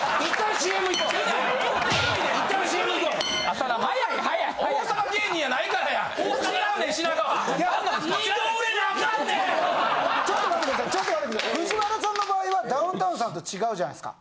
ＦＵＪＩＷＡＲＡさんの場合はダウンタウンさんと違うじゃないすか。